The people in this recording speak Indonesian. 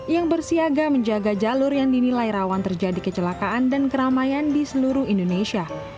yang bersiaga menjaga jalur yang dinilai rawan terjadi kecelakaan dan keramaian di seluruh indonesia